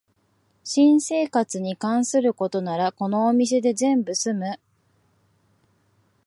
新生活に関することならこのお店で全部すむ